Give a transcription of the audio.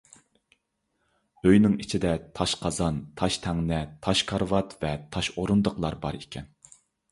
ئۆينىڭ ئىچىدە تاش قازان، تاش تەڭنە، تاش كارىۋات ۋە تاش ئورۇندۇقلار بار ئىكەن.